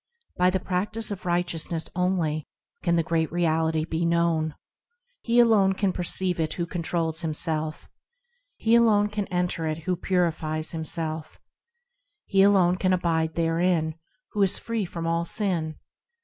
By the practice of righteousness only can the Great Reality be known ; He alone can perceive it who controls himself; He alone can enter it who purifies himself ; He alone can abide therein who is free from all sin.